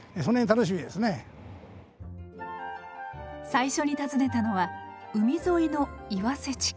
最初に訪ねたのは海沿いの岩瀬地区。